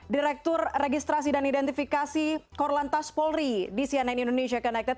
direktur registrasi dan identifikasi korlantas polri di cnn indonesia connected